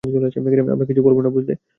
আমরা কিচ্ছু বলবো না, বুঝলে?